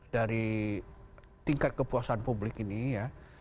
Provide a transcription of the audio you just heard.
dari tingkat kepuasan publik ini ya